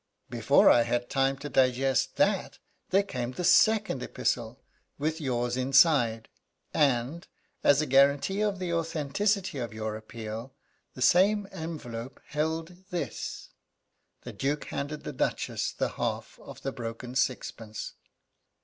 Before I had time to digest that there came the second epistle, with yours inside, and, as a guarantee of the authenticity of your appeal, the same envelope held this." The Duke handed the Duchess the half of the broken sixpence.